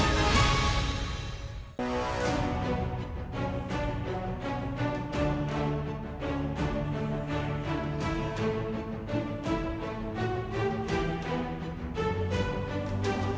desi tuhan timnasa program